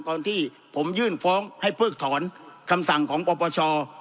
ตอนที่ผมยื่นฟ้องให้เพิกถอนคำสั่งของปปช